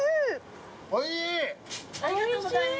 おいしい！